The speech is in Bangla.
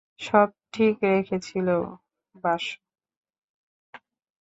সব ঠিক রেখেছিল বাসু?